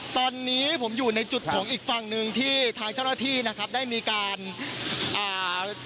ตอนนี้ผมอยู่ในจุดของอีกฝั่งหนึ่งที่ทางเจ้าหน้าที่นะครับได้มีการอ่า